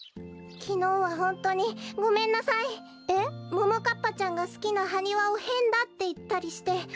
ももかっぱちゃんがすきなハニワをへんだっていったりして。